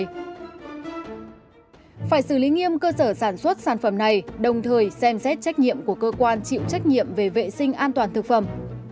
phải xử lý nghiêm cơ sở sản xuất sản phẩm này đồng thời xem xét trách nhiệm của cơ quan chịu trách nhiệm về vệ sinh an toàn thực phẩm